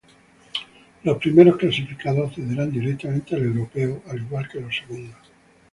Los primeros clasificados accederán directamente al europeo, al igual que los segundos.